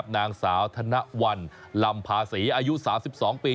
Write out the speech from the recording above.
นางสาวธนวัลลำภาษีอายุ๓๒ปี